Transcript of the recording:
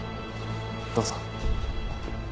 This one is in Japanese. どうぞ。